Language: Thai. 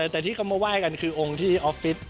แต่ที่เขามาไหว้กันคือองค์ที่ออฟฟิศ